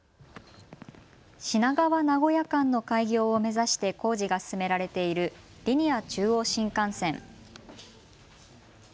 品川・名古屋間の開業を目指して工事が進められているリニア中央新幹線。